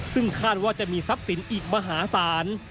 ซึ่งคาดว่าจะมีทรัพย์สินอีกมหาศาล